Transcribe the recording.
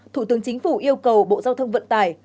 ba thủ tướng chính phủ yêu cầu bộ giao thông vận tài